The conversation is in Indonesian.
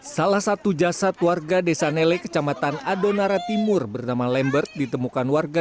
salah satu jasad warga desa nele kecamatan adonara timur bernama lambert ditemukan warga